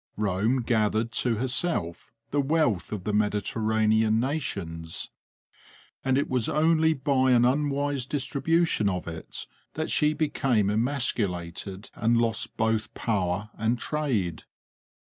Rome gathered to herself the wealth of the Mediterranean nations, and it was only by an unwise distribution of it that she became emasculated and lost both power and trade.